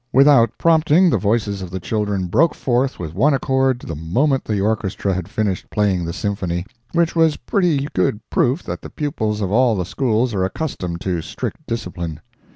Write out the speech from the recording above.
Without prompting, the voices of the children broke forth with one accord the moment the orchestra had finished playing the symphony, which was pretty good proof that the pupils of all the Schools are accustomed to strict discipline.